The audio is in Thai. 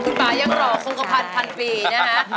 คุณป่ายังหล่อคงกระพันพันปีนะฮะ